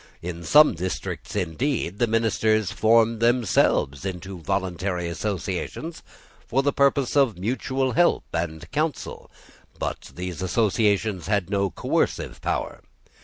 In some districts, indeed, the ministers formed themselves into voluntary associations, for the purpose of mutual help and counsel; but these associations had no coercive power.